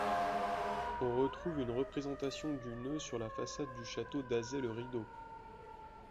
On retrouve une représentation du nœud sur la façade du château d'Azay-le-Rideau.